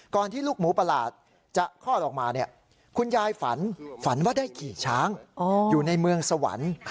ที่ลูกหมูประหลาดจะคลอดออกมาคุณยายฝันฝันว่าได้ขี่ช้างอยู่ในเมืองสวรรค์